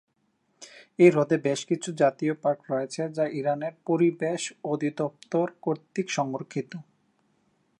এই হ্রদে বেশ কিছু জাতীয় পার্ক রয়েছে যা ইরানের পরিবেশ অধিদফতর কর্তৃক সংরক্ষিত।